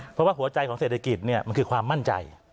เพราะว่าหัวใจของเศรษฐกิจมันคือความมั่นใจ